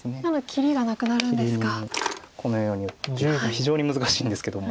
切りにこのように打って非常に難しいんですけども。